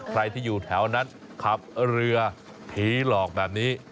ใครที่อยู่แถวนั้นขับเรือผีหลอกแบบนี้